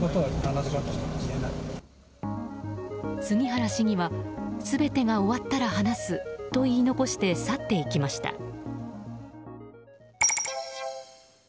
杉原市議は、全てが終わったら話すと言い残して去っていきました。